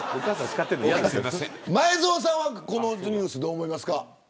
前園さんはこのニュース、どう思いますか。